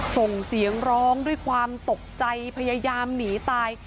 ส่งเสียงร้องด้วยความตกใจพยายามหนีตาย